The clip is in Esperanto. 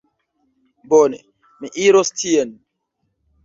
Bone, mi iros tien.